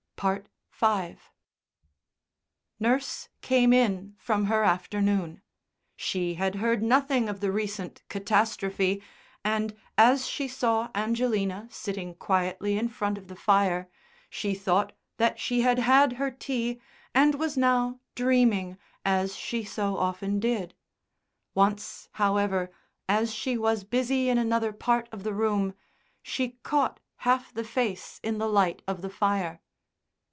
V Nurse came in from her afternoon. She had heard nothing of the recent catastrophe, and, as she saw Angelina sitting quietly in front of the fire she thought that she had had her tea, and was now "dreaming" as she so often did. Once, however, as she was busy in another part of the room, she caught half the face in the light of the fire.